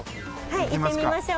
はい行ってみましょう。